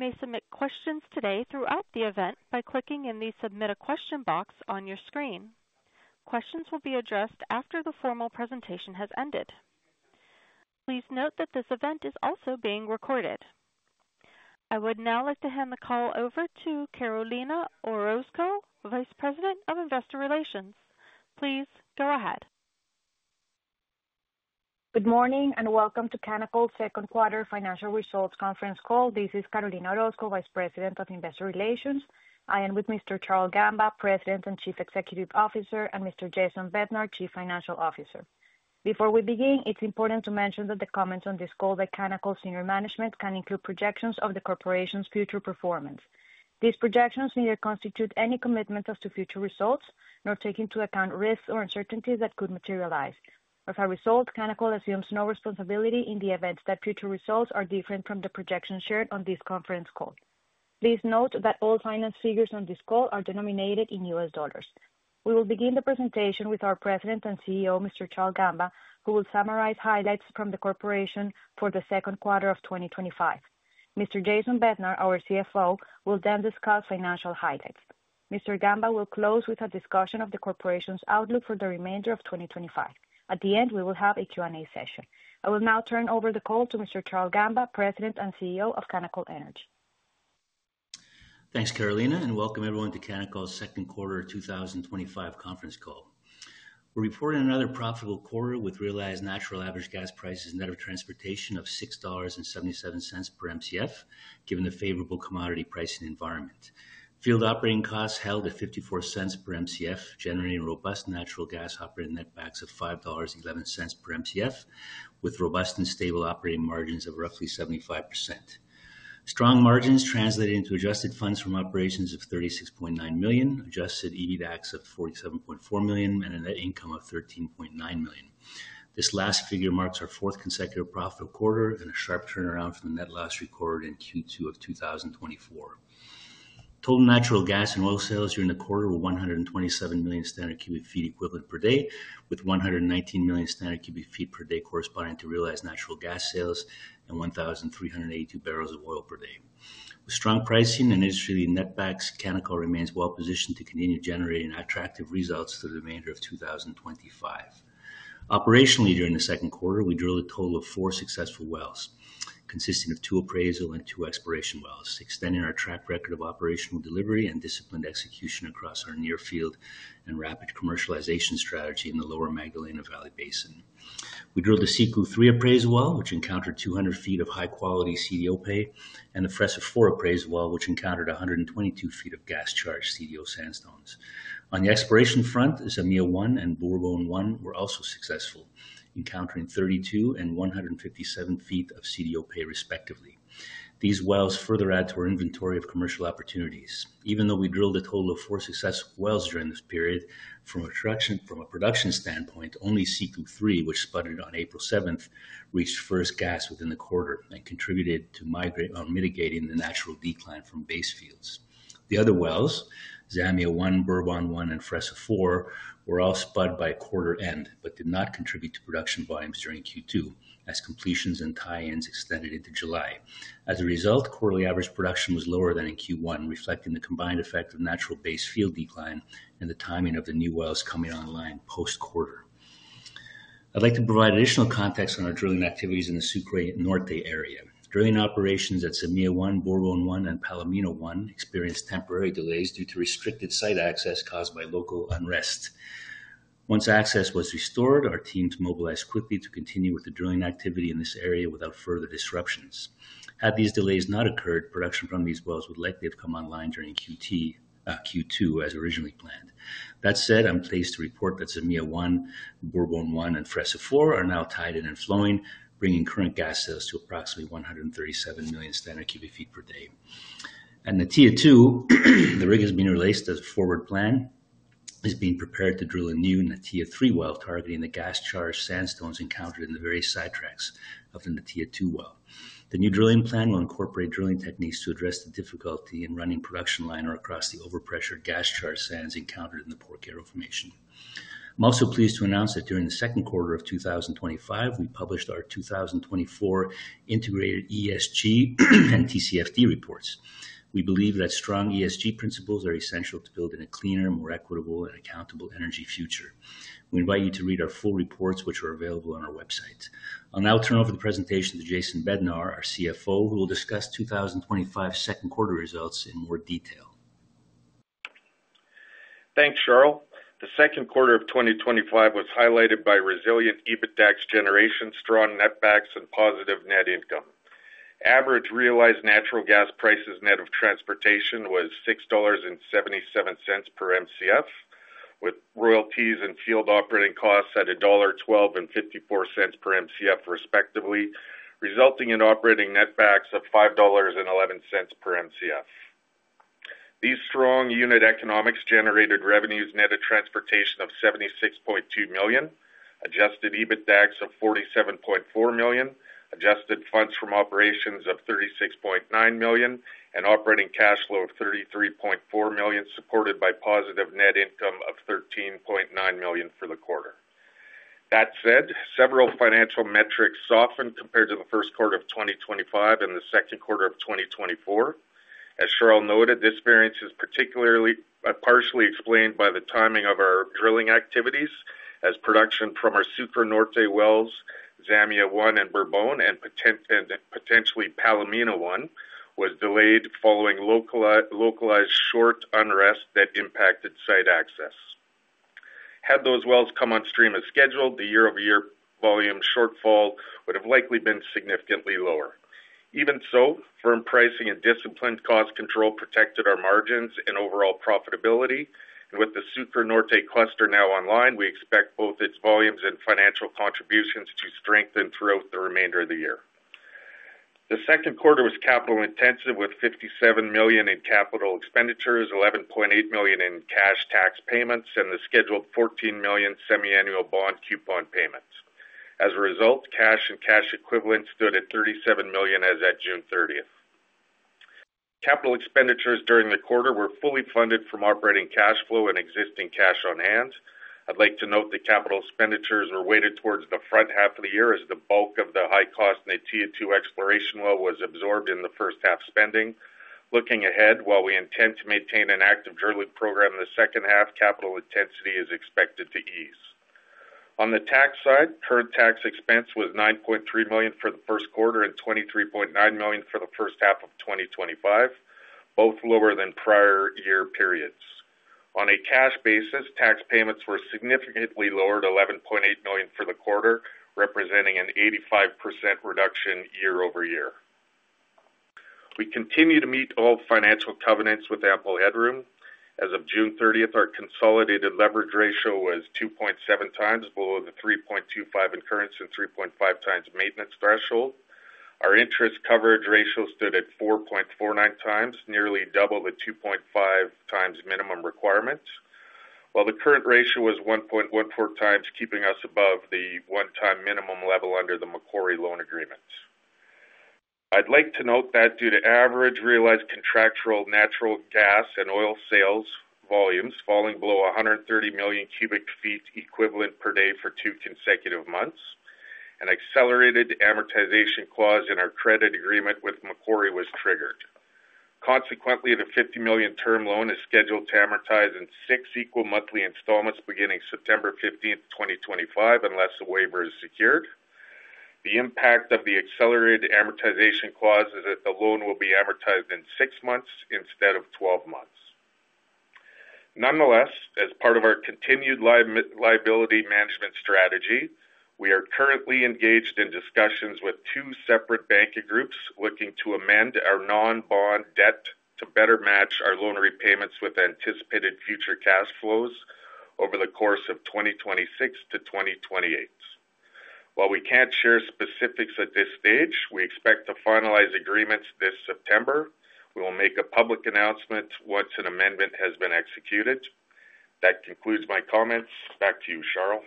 You may submit questions today throughout the event by clicking in the "Submit a Question" box on your screen. Questions will be addressed after the formal presentation has ended. Please note that this event is also being recorded. I would now like to hand the call over to Carolina Orozco, Vice President of Investor Relations. Please go ahead. Good morning and welcome to Canacol's Second Quarter Financial Results Conference Call. This is Carolina Orozco, Vice President of Investor Relations. I am with Mr. Charle Gamba, President and Chief Executive Officer, and Mr. Jason Bednar, Chief Financial Officer. Before we begin, it's important to mention that the comments on this call by Canacol's senior management can include projections of the corporation's future performance. These projections may not constitute any commitment as to future results, nor take into account risks or uncertainties that could materialize. As a result, Canacol assumes no responsibility in the event that future results are different from the projections shared on this conference call. Please note that all finance figures on this call are denominated in U.S. dollars. We will begin the presentation with our President and CEO, Mr. Charle Gamba, who will summarize highlights from the corporation for the second quarter of 2025. Mr. Jason Bednar, our CFO, will then discuss financial highlights. Mr. Gamba will close with a discussion of the corporation's outlook for the remainder of 2025. At the end, we will have a Q&A session. I will now turn over the call to Mr. Charle Gamba, President and CEO of Canacol Energy. Thanks, Carolina, and welcome everyone to Canacol's Second Quarter 2025 Conference Call. We're reporting another profitable quarter with realized natural average gas prices net of transportation of $6.77 per Mcf, given the favorable commodity pricing environment. Field operating costs held at $0.54 per Mcf, generating robust natural gas operating net backs of $5.11 per Mcf, with robust and stable operating margins of roughly 75%. Strong margins translated into adjusted funds from operations of $36.9 million, adjusted EBITDA of $47.4 million, and a net income of $13.9 million. This last figure marks our fourth consecutive profitable quarter and a sharp turnaround from the net loss recorded in Q2 of 2024. Total natural gas and oil sales during the quarter were 127 million cu ft equivalent per day, with 119 million cu ft per day corresponding to realized natural gas sales and 1,382 barrels of oil per day. With strong pricing and industry leading net backs, Canacol remains well-positioned to continue generating attractive results for the remainder of 2025. Operationally, during the second quarter, we drilled a total of four successful wells, consisting of two appraisal and two exploration wells, extending our track record of operational delivery and disciplined execution across our near-field and rapid commercialization strategy in the Lower Magdalena Valley Basin. We drilled a CQ3 appraisal well, which encountered 200 ft of high-quality CDO pay, and a Fresa-4 appraisal well, which encountered 122 ft of gas-charged CDO sandstones. On the exploration front, Zamia-1 and Borbón-1 were also successful, encountering 32 ft and 157 ft of CDO pay, respectively. These wells further add to our inventory of commercial opportunities. Even though we drilled a total of four successful wells during this period, from a production standpoint, only CQ3, which spudded on April 7th, reached first gas within the quarter and contributed to mitigating the natural decline from base fields. The other wells, Zamia-1, Borbón-1, and Fresa-4, were all spud by quarter end but did not contribute to production volumes during Q2, as completions and tie-ins extended into July. As a result, quarterly average production was lower than in Q1, reflecting the combined effect of natural base field decline and the timing of the new wells coming online post-quarter. I'd like to provide additional context on our drilling activities in the Sucre Norte area. Drilling operations at Zamia-1, Borbón-1, and Palomino-1 experienced temporary delays due to restricted site access caused by local unrest. Once access was restored, our teams mobilized quickly to continue with the drilling activity in this area without further disruptions. Had these delays not occurred, production from these wells would likely have come online during Q2 as originally planned. That said, I'm pleased to report that Zamia-1, Borbón-1, and Fresa-4 are now tied in and flowing, bringing current gas sales to approximately 137 million cu ft equivalent per day. At Natilla-2, the rig has been released as a forward plan. It is being prepared to drill a new Natilla-3 well, targeting the gas-charged sandstones encountered in the various sidetracks of the Natilla-2 well. The new drilling plan will incorporate drilling techniques to address the difficulty in running production line or across the overpressured gas-charged sands encountered in the Porquero Formation. I'm also pleased to announce that during the second quarter of 2025, we published our 2024 Integrated ESG and TCFD reports. We believe that strong ESG principles are essential to building a cleaner, more equitable, and accountable energy future. We invite you to read our full reports, which are available on our website. I'll now turn over the presentation to Jason Bednar, our CFO, who will discuss 2025 second quarter results in more detail. Thanks, Charle. The second quarter of 2025 was highlighted by resilient EBITDA generation, strong net backs, and positive net income. Average realized natural gas prices net of transportation was $6.77 per Mcf, with royalties and field operating costs at $1.12 and $0.54 per Mcf, respectively, resulting in operating net backs of $5.11 per Mcf. These strong unit economics generated revenues net of transportation of $76.2 million, adjusted EBITDA of $47.4 million, adjusted funds from operations of $36.9 million, and operating cash flow of $33.4 million, supported by positive net income of $13.9 million for the quarter. That said, several financial metrics softened compared to the first quarter of 2025 and the second quarter of 2024. As Charle noted, this variance is particularly partially explained by the timing of our drilling activities, as production from our Sucre Norte wells, Zamia-1 and Borbón-1, and potentially Palomino-1 was delayed following localized short unrest that impacted site access. Had those wells come on stream as scheduled, the year-over-year volume shortfall would have likely been significantly lower. Even so, firm pricing and disciplined cost control protected our margins and overall profitability, and with the Sucre Norte cluster now online, we expect both its volumes and financial contributions to strengthen throughout the remainder of the year. The second quarter was capital intensive, with $57 million in capital expenditures, $11.8 million in cash tax payments, and the scheduled $14 million semiannual bond coupon payments. As a result, cash and cash equivalents stood at $37 million as at June 30th. Capital expenditures during the quarter were fully funded from operating cash flow and existing cash on hand. I'd like to note the capital expenditures were weighted towards the front half of the year as the bulk of the high-cost Natilla-2 exploration well was absorbed in the first half spending. Looking ahead, while we intend to maintain an active drilling program in the second half, capital intensity is expected to ease. On the tax side, current tax expense was $9.3 million for the first quarter and $23.9 million for the first half of 2025, both lower than prior year periods. On a cash basis, tax payments were significantly lowered at $11.8 million for the quarter, representing an 85% reduction year-over-year. We continue to meet all financial covenants with ample headroom. As of June 30th, our consolidated leverage ratio was 2.7x, below the 3.25x in-currency and 3.5x maintenance threshold. Our interest coverage ratio stood at 4.49x, nearly double the 2.5x minimum requirement, while the current ratio was 1.14x, keeping us above the one-time minimum level under the Macquarie loan agreement. I'd like to note that due to average realized contractual natural gas and oil sales volumes falling below 130 million cu ft equivalent per day for two consecutive months, an accelerated amortization clause in our credit agreement with Macquarie was triggered. Consequently, the $50 million term loan is scheduled to amortize in six equal monthly installments beginning September 15th, 2025, unless a waiver is secured. The impact of the accelerated amortization clause is that the loan will be amortized in six months instead of 12 months. Nonetheless, as part of our continued liability management strategy, we are currently engaged in discussions with two separate banking groups looking to amend our non-bond debt to better match our loan repayments with anticipated future cash flows over the course of 2026 to 2028. While we can't share specifics at this stage, we expect to finalize agreements this September. We will make a public announcement once an amendment has been executed. That concludes my comments. Back to you, Charle.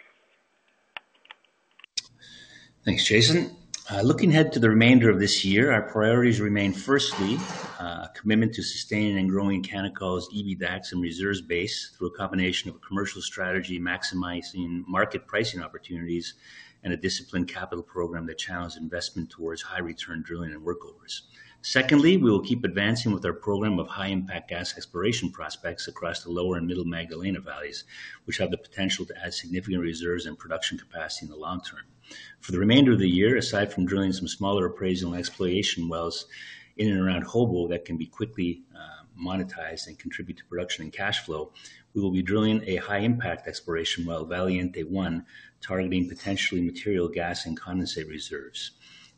Thanks, Jason. Looking ahead to the remainder of this year, our priorities remain firstly a commitment to sustaining and growing Canacol's EBITDA and reserves base through a combination of a commercial strategy maximizing market pricing opportunities and a disciplined capital program that channels investment towards high-return drilling and workovers. Secondly, we will keep advancing with our program of high-impact gas exploration prospects across the Lower and Middle Magdalena Valleys, which have the potential to add significant reserves and production capacity in the long term. For the remainder of the year, aside from drilling some smaller appraisal and exploitation wells in and around Jobo that can be quickly monetized and contribute to production and cash flow, we will be drilling a high-impact exploration well, Valiente-1, targeting potentially material gas and condensate reserves.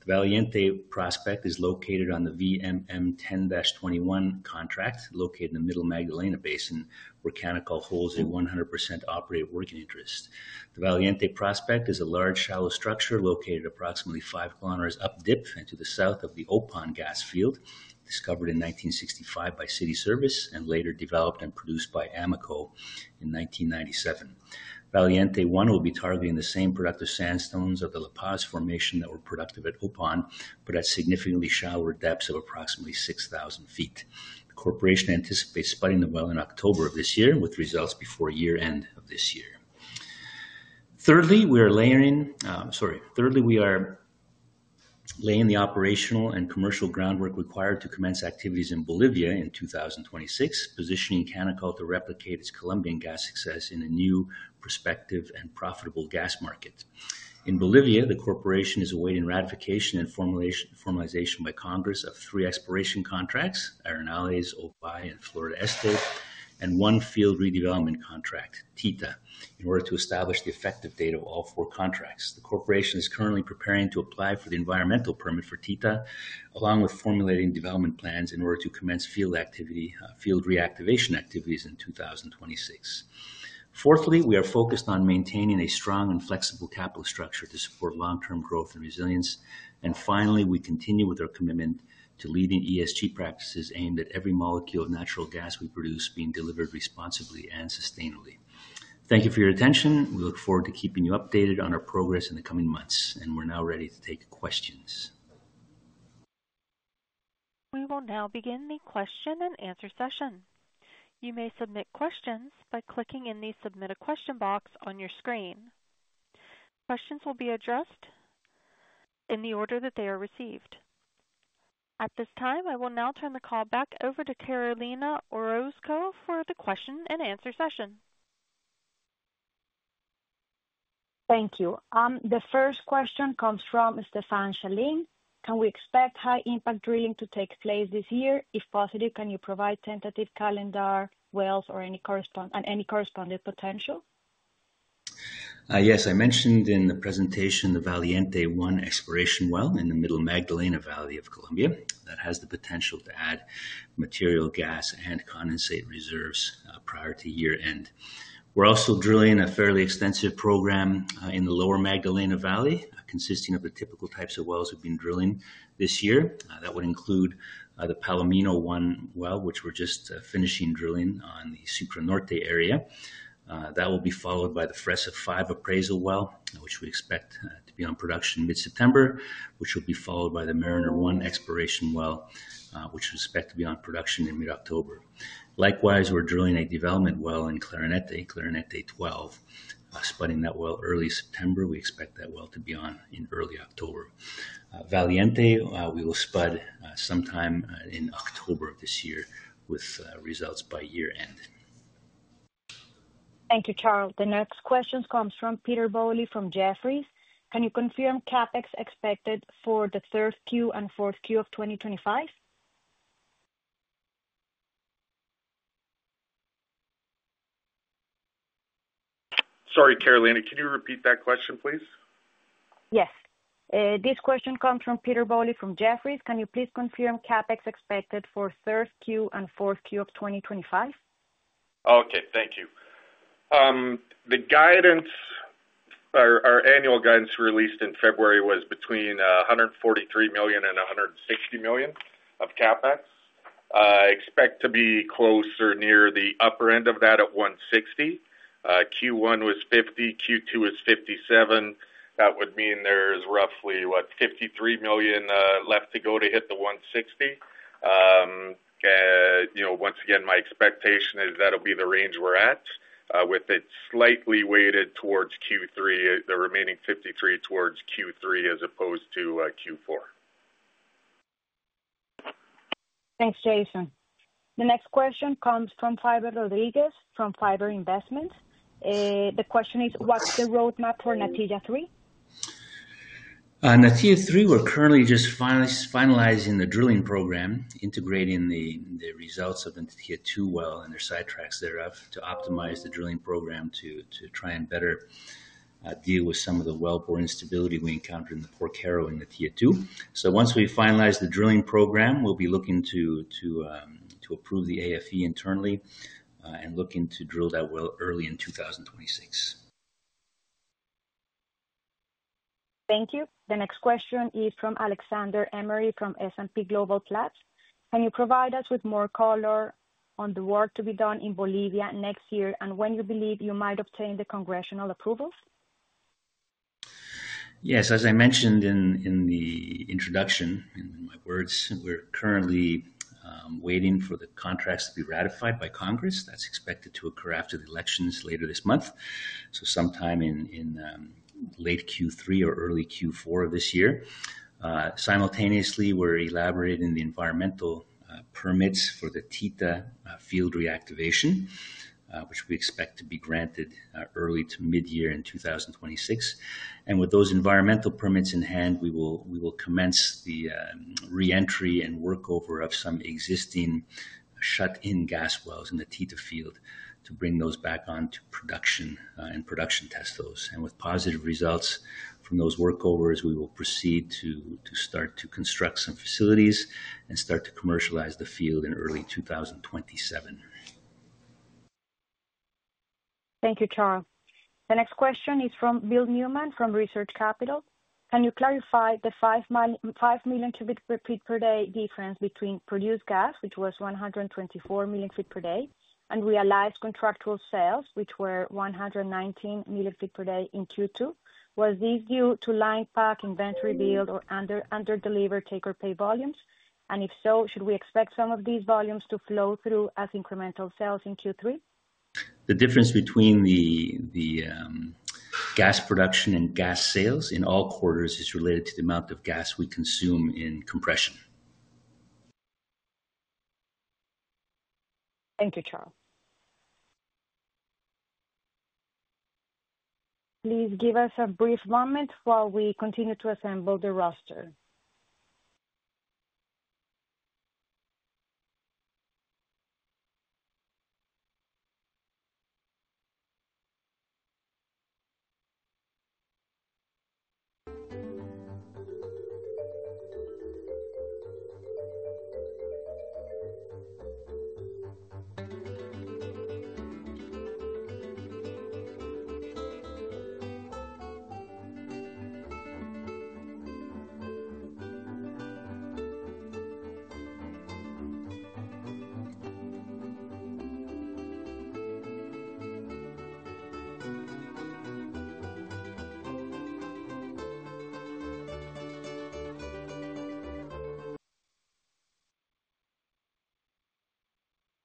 The Valiente prospect is located on the VMM 10-21 contract located in the Middle Magdalena Basin, where Canacol holds a 100% operating working interest. The Valiente prospect is a large shallow structure located approximately five kilometers updip into the south of the Opón gas field, discovered in 1965 by Cities Services and later developed and produced by Amoco in 1997. Valiente-1 will be targeting the same productive sandstones of the La Paz Formation that were productive at Opón, but at significantly shallower depths of approximately 6,000 ft. The corporation anticipates spudding the well in October of this year with results before year-end of this year. Thirdly, we are laying the operational and commercial groundwork required to commence activities in Bolivia in 2026, positioning Canacol to replicate its Colombian gas success in a new, prospective, and profitable gas market. In Bolivia, the corporation is awaiting ratification and formalization by Congress of three exploration contracts: Arenales, Ovai and Florida Este, and one field redevelopment contract, Tita, in order to establish the effective date of all four contracts. The corporation is currently preparing to apply for the environmental permit for Tita, along with formulating development plans in order to commence field reactivation activities in 2026. Fourthly, we are focused on maintaining a strong and flexible capital structure to support long-term growth and resilience. Finally, we continue with our commitment to leading ESG practices aimed at every molecule of natural gas we produce being delivered responsibly and sustainably. Thank you for your attention. We look forward to keeping you updated on our progress in the coming months, and we're now ready to take questions. We will now begin the question and answer session. You may submit questions by clicking in the "Submit a Question" box on your screen. Questions will be addressed in the order that they are received. At this time, I will now turn the call back over to Carolina Orozco for the question and answer session. Thank you. The first question comes from Stephane Chelin. Can we expect high-impact drilling to take place this year? If positive, can you provide tentative calendar wells and any correspondent potential? Yes, I mentioned in the presentation the Valiente-1 exploration well in the Middle Magdalena Basin of Colombia that has the potential to add material gas and condensate reserves prior to year-end. We're also drilling a fairly extensive program in the Lower Magdalena Valley, consisting of the typical types of wells we've been drilling this year. That would include the Palomino-1 well, which we're just finishing drilling on the Sucre Norte area. That will be followed by the Fresa-5 appraisal well, which we expect to be on production in mid-September, which would be followed by the [Marinero-1] exploration well, which we expect to be on production in mid-October. Likewise, we're drilling a development well in Clarinete, Clarinete-12. Spudding that well early September, we expect that well to be on in early October. Valiente, we will spud sometime in October of this year with results by year-end. Thank you, Charle. The next question comes from Peter Bowley from Jefferies. Can you confirm CapEx expected for the third Q and fourth Q of 2025? Sorry, Carolina, can you repeat that question, please? Yes. This question comes from Peter Bowley from Jefferies. Can you please confirm CapEx expected for third Q and fourth Q of 2025? Okay, thank you. The guidance, our annual guidance released in February was between $143 million and $160 million of CapEx. I expect to be closer near the upper end of that at $160 million. Q1 was $50 million, Q2 was $57 million. That would mean there's roughly, what, $53 million left to go to hit the $160 million. Once again, my expectation is that'll be the range we're at, with it slightly weighted towards Q3, the remaining $53 million towards Q3 as opposed to Q4. Thanks, Jason. The next question comes from Fiverr Rodriguez from Fiverr Investments. The question is, what's the roadmap for Natilla-3? Natilla-3, we're currently just finalizing the drilling program, integrating the results of the Natilla-2 well and their sidetracks thereof to optimize the drilling program to try and better deal with some of the wellbore instability we encountered in the Porquero in Natilla-2. Once we finalize the drilling program, we'll be looking to approve the AFE internally and looking to drill that well early in 2026. Thank you. The next question is from Alexander Emery from S&P Global Platts. Can you provide us with more color on the work to be done in Bolivia next year, and when you believe you might obtain the congressional approvals? Yes, as I mentioned in the introduction, in my words, we're currently waiting for the contracts to be ratified by Congress. That's expected to occur after the elections later this month, sometime in late Q3 or early Q4 of this year. Simultaneously, we're elaborating the environmental permits for the Tita field reactivation, which we expect to be granted early to mid-year in 2026. With those environmental permits in hand, we will commence the reentry and workover of some existing shut-in gas wells in the Tita field to bring those back onto production and production test those. With positive results from those workovers, we will proceed to start to construct some facilities and start to commercialize the field in early 2027. Thank you, Charle. The next question is from Bill Newman from Research Capital. Can you clarify the 5 million cu ft per day difference between produced gas, which was 124 million cu ft per day, and realized contractual sales, which were 119 million cu ft per day in Q2? Was this due to line pack inventory build or under-deliver taker pay volumes? If so, should we expect some of these volumes to flow through as incremental sales in Q3? The difference between the gas production and gas sales in all quarters is related to the amount of gas we consume in compression. Thank you, Charle. Please give us a brief moment while we continue to assemble the roster.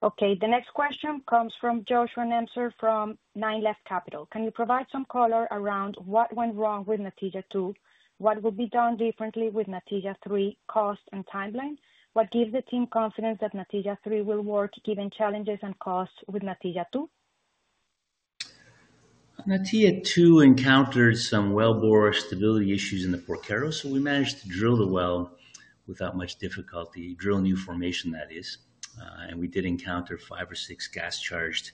Okay, the next question comes from Joshua Nemser from Nine Left Capital. Can you provide some color around what went wrong with Natila-2, what would be done differently with Natilla-3, cost and timeline? What gives the team confidence that Natilla-3 will work given challenges and costs with Natilla-2? Natilla-2 encountered some wellbore stability issues in the Porquero. We managed to drill the well without much difficulty, drill new formation, that is. We did encounter five or six gas-charged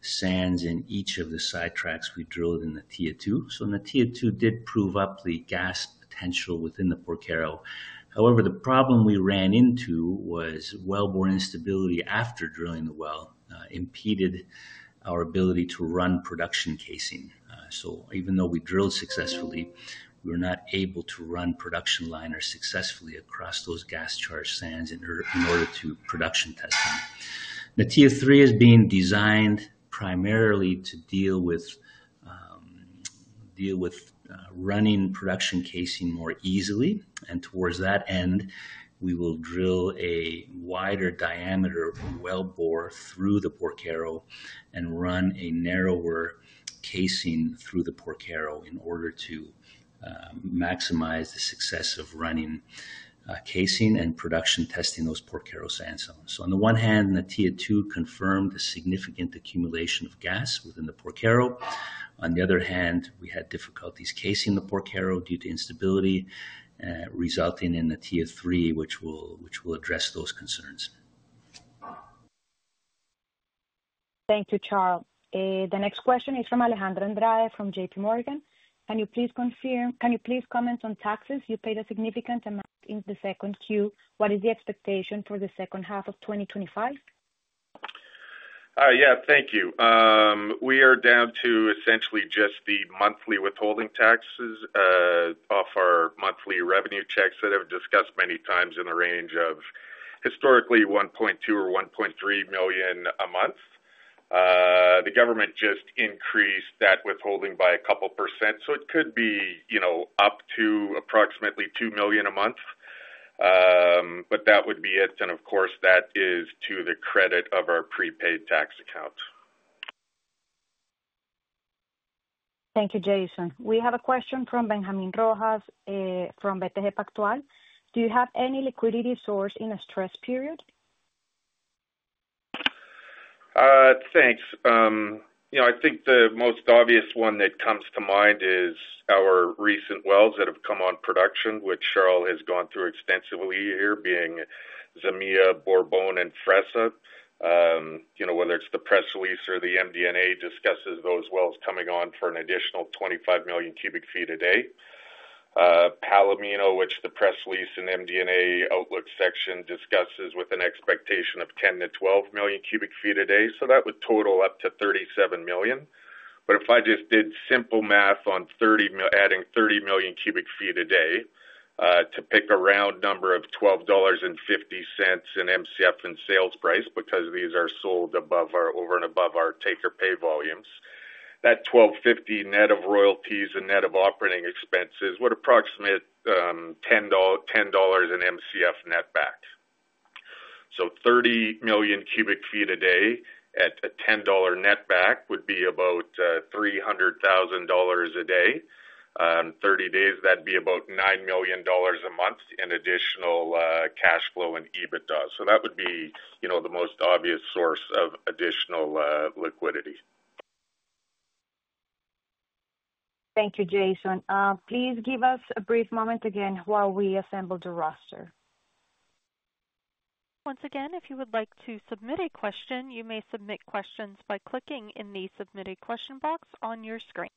sands in each of the sidetracks we drilled in Natilla-2. Natilla-2 did prove up the gas potential within the Porquero. However, the problem we ran into was wellbore instability after drilling the well impeded our ability to run production casing. Even though we drilled successfully, we were not able to run production liners successfully across those gas-charged sands in order to production test them. Natilla-3 is being designed primarily to deal with running production casing more easily, and towards that end, we will drill a wider diameter of wellbore through the Porquero and run a narrower casing through the Porquero in order to maximize the success of running casing and production testing those Porquero sandstones. On the one hand, Natilla-2 confirmed the significant accumulation of gas within the Porquero. On the other hand, we had difficulties casing the Porquero due to instability, resulting in Natilla-3, which will address those concerns. Thank you, Charle. The next question is from Alejandra Andrade from JPMorgan. Can you please comment on taxes? You paid a significant amount in the second Q. What is the expectation for the second half of 2025? Yeah, thank you. We are down to essentially just the monthly withholding taxes off our monthly revenue checks that I've discussed many times in a range of historically $1.2 million or $1.3 million a month. The government just increased that withholding by a couple percent, so it could be, you know, up to approximately $2 million a month. That would be it, and of course, that is to the credit of our prepaid tax account. Thank you, Jason. We have a question from Benjamin Rojas from BTG Pactual. Do you have any liquidity source in a stressed period? Thanks. I think the most obvious one that comes to mind is our recent wells that have come on production, which Charle has gone through extensively here, being Zamia, Borbón, and Fresa. Whether it's the press release or the MDNA discusses those wells coming on for an additional 25 million cu ft a day. Palomino, which the press release and MDNA outlook section discusses with an expectation of 10 million-12 million cu ft a day, that would total up to $37 million. If I just did simple math on 30 million, adding 30 million cu ft a day, to pick a round number of $12.50 in MTF and sales price because these are sold above our over and above our taker pay volumes, that $12.50 net of royalties and net of operating expenses would approximate $10 in Mcf net back. 30 million cu ft a day at a $10 net back would be about $300,000 a day. 30 days, that'd be about $9 million a month in additional cash flow and adjusted EBITDA. That would be the most obvious source of additional liquidity. Thank you, Jason. Please give us a brief moment again while we assemble the roster. Once again, if you would like to submit a question, you may submit questions by clicking in the "Submit a Question" box on your screen.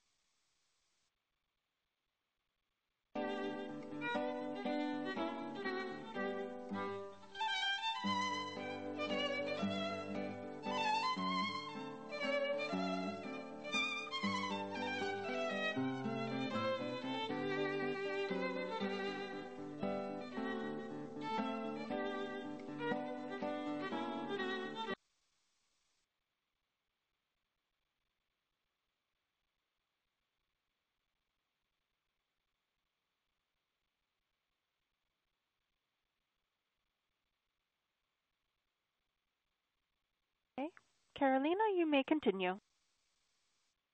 Okay. Carolina, you may continue.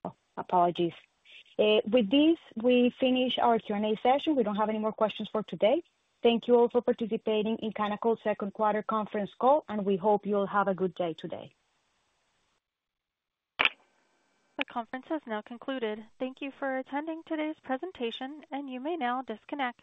Oh, apologies. With this, we finish our Q&A session. We don't have any more questions for today. Thank you all for participating in Canacol's second quarter conference call, and we hope you all have a good day today. The conference has now concluded. Thank you for attending today's presentation, and you may now disconnect.